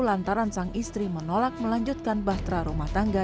lantaran sang istri menolak melanjutkan bahtera rumah tangga